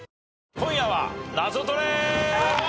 『今夜はナゾトレ』